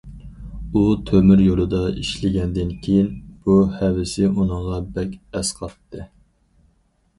ئۇ تۆمۈريولدا ئىشلىگەندىن كېيىن، بۇ ھەۋىسى ئۇنىڭغا بەك ئەسقاتتى.